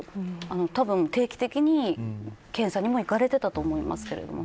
たぶん、定期的に検査も行かれていたと思いますけどね。